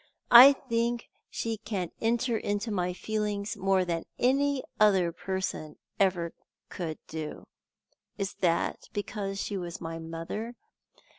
I think she can enter into my feelings more than any other person could ever do. Is that because she was my mother?